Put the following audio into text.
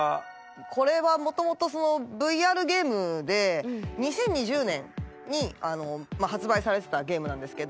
これはもともとそのＶＲゲームで２０２０年に発売されてたゲームなんですけど。